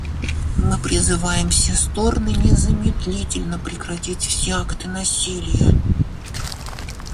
Мы призываем все стороны незамедлительно прекратить все акты насилия.